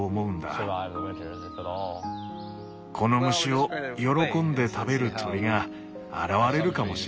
この虫を喜んで食べる鳥が現れるかもしれないし。